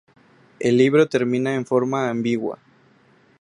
El libro termina en forma ambigua.